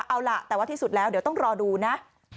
เอาล่ะแต่ว่าที่สุดแล้วเดี๋ยวต้องรอดูนะ